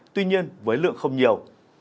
tuy nhiên với lượng không nhiều